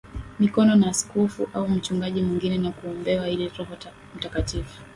mikono na askofu au mchungaji mwingine na kuombewa ili Roho Mtakatifu